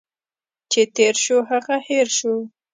چي تیر شو، هغه هٻر شو.